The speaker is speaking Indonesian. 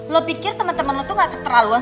lo pikir temen temen lo tuh gak keteraluan